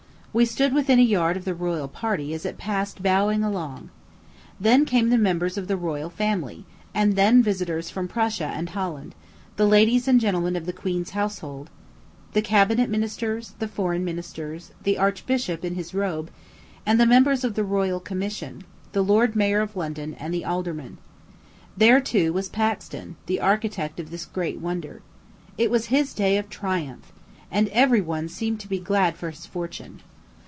We stood within a yard of the royal party as it passed bowing along. Then came the members of the royal family; and then visitors from Prussia and Holland; the ladies and gentlemen of the queen's household; the cabinet ministers; the foreign ministers; the archbishop in his robe, and the members of the royal commission; the lord mayor of London, and the aldermen. There, too, was Paxton, the architect of this great wonder. It was his day of triumph, and every one seemed to be glad for his fortune.